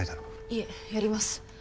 いえやります。